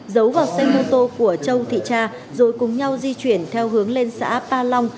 giấu vào xe mô tô của châu thị cha rồi cùng nhau di chuyển theo hướng lên xã pa long